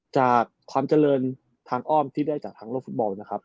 จากความเจริญทางอ้อมที่ได้จากทางโลกฟุตบอลนะครับ